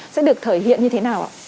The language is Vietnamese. sẽ được thể hiện như thế nào ạ